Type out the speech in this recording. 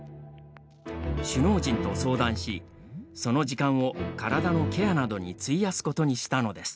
首脳陣と相談しその時間を体のケアなどに費やすことにしたのです。